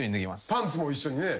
パンツも一緒にね。